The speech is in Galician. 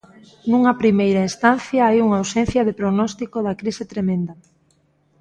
Nunha primeira instancia hai unha ausencia de prognóstico da crise tremenda.